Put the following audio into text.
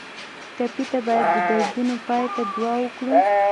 ټپي ته باید د دردونو پای ته دعا وکړو.